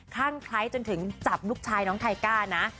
ข้างไคร้จนถึงจับลูกชายน้องไทก้านะ